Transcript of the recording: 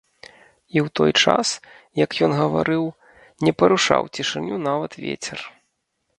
І ў той час, як ён гаварыў, не парушаў цішыню нават вецер.